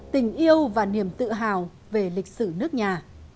tình yêu và niềm tự hào về lịch sử nước nhà